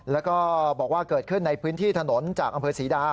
แล้วก็บอกว่าเกิดขึ้นในพื้นที่ถนนจากอำเภอศรีดา